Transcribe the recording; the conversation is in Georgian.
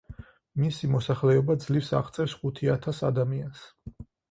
მისი მოსახლეობა ძლივს აღწევს ხუთი ათას ადამიანს.